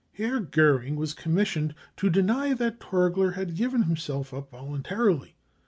Herr Goering was commissioned to deny that Torgler had given himself up voluntarily.